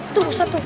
tuh usadz tuh